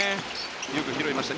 よく拾いました。